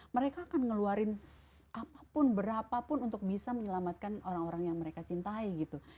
mereka akan ngeluarin apapun berapapun untuk bisa menyelamatkan orang orang yang mereka cintai gitu